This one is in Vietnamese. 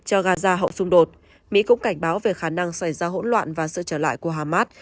cho gaza hậu xung đột mỹ cũng cảnh báo về khả năng xảy ra hỗn loạn và sự trở lại của hamas